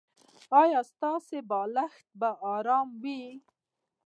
ایا ستاسو بالښت به ارام وي؟